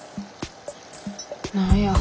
何や。